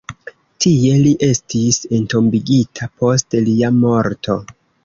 Tie li estis entombigita post lia morto.